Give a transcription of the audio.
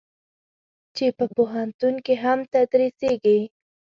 چې په پوهنتون کې هم تدریسېږي.